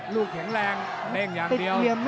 ลูกแข็งแรงเด้งอย่างเดียว